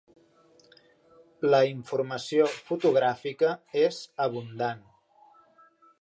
La informació fotogràfica és abundant.